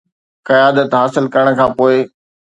قيادت حاصل ڪرڻ کان پوء